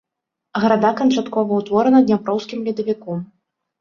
Града канчаткова ўтворана дняпроўскім ледавіком.